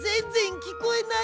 きこえない！